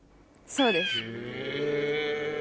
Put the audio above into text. そうです。